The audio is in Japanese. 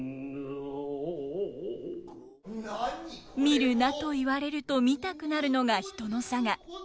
見るなといわれると見たくなるのが人の性。